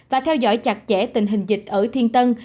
và theo dõi chặt chẽ tình hình dịch ở thiên tân